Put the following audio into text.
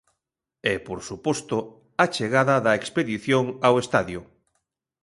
E por suposto, á chegada da expedición ao estadio.